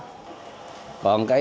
còn cái đường thốt nốt này